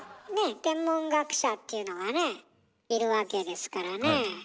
天文学者っていうのがねいるわけですからねえ。